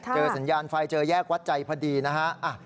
สัญญาณไฟเจอแยกวัดใจพอดีนะฮะ